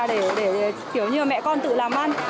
để kiểu như mẹ con tự làm ăn